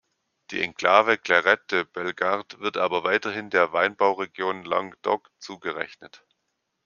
Die Enklave Clairette de Bellegarde wird aber weiterhin der Weinbauregion Languedoc zugerechnet!